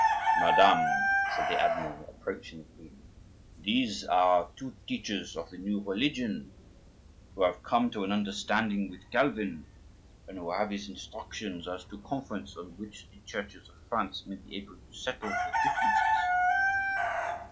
"Madame," said the admiral, approaching the queen, "these are two teachers of the new religion, who have come to an understanding with Calvin, and who have his instructions as to a conference in which the churches of France may be able to settle their differences."